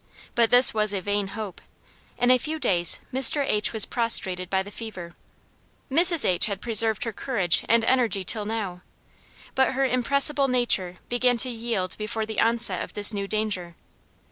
But this was a vain hope; in a few days Mr. H. was prostrated by the fever. Mrs. H. had preserved her courage and energy till now, but her impressible nature began to yield before the onset of this new danger.